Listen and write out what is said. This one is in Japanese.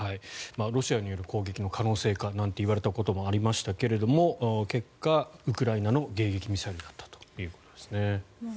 ロシアによる攻撃の可能性かなんていわれたこともありましたが結果、ウクライナの迎撃ミサイルだったということです。